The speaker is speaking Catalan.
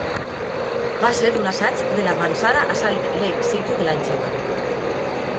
Va ser un assaig de l'avançada a Salt Lake City de l'any següent.